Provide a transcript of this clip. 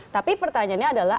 tapi pertanyaannya adalah